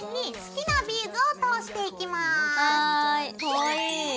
かわいい。